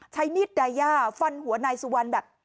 ใช้มีดไดย่าฟันหัวนายสุวรรณแบบ